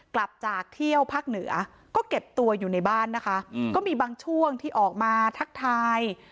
กลับจากเที่ยวภาคเหนือก็เก็บตัวอยู่ในบ้านนะคะก็มีบางช่วงที่ออกมาทักทาย